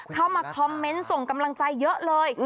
เข้ามาคอมเมนต์ส่งกำลังใจเยอะเลย